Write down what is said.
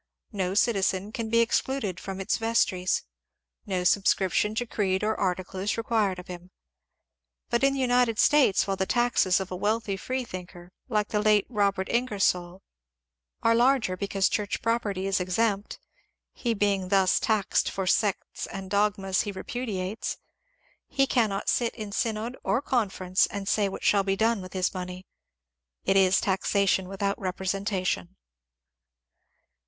No citizen can be ex cluded from its vestries. No subscription to creed or article is required of him. But in the United States, while the taxes of a wealthy freethinker, like the late Bobert IngersoU, are larger because church property is exempt, — he being thus taxed for sects and dogmas he repudiates, — he cannot sit in synod or conference and say what shall be done with his money. It is taxation without representation.